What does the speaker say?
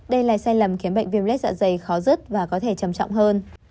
đây là sai lầm khiến bệnh viêm lết dạ dày khó dứt và có thể trầm trọng hơn